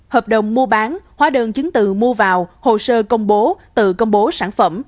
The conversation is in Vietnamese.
hợp đồng mua bán hóa đơn chứng từ mua vào hồ sơ công bố tự công bố sản phẩm